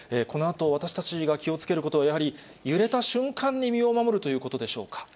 このあと、私たちが気をつけることはやはり揺れた瞬間に身を守るということ